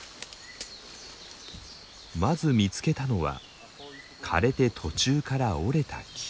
まず見つけたのは枯れて途中から折れた木。